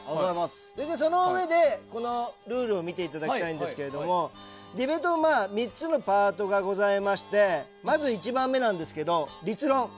そのうえで、このルールを見ていただきたいんですけどディベートは３つのパートがございましてまず１番目、立論。